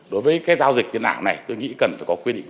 đối với cái giao dịch tiền ảo này tôi nghĩ cần phải có quy định